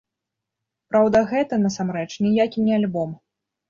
Праўда, гэта, насамрэч, ніякі не альбом.